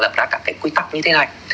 các cái quy tắc như thế này